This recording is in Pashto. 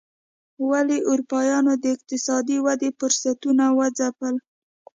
ولې اروپایانو د اقتصادي ودې فرصتونه وځپل.